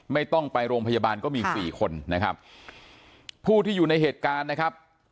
ไม่ต้องไปโรงพยาบาลก็มีสี่คนนะครับผู้ที่อยู่ในเหตุการณ์นะครับ